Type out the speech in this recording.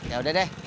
ya udah deh